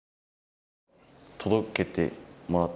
届けてもらった。